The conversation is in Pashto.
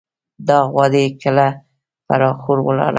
دا غوا دې له کله پر اخور ولاړه ده.